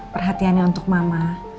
perhatiannya untuk mama